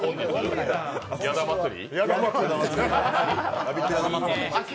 矢田祭り？